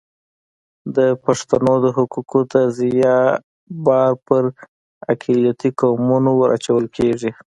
د پښتنو د حقونو د ضیاع بار پر اقلیتي قومونو ور اچول کېږي.